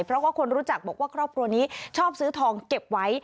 เพราะว่าคนรู้จักบอกว่าครอบครัวนี้ชอบซื้อทองเก็บไว้